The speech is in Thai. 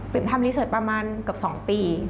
ผมทำรีเซิร์ชประมาณกับ๒ปี